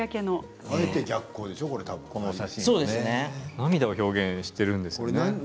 涙を表現しているんですね。